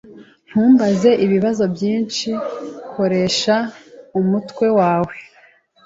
Ntumbaze ibibazo byinshi. Koresha umutwe wawe.